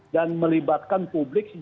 dan melibatkan publik